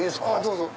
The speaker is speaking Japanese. どうぞ。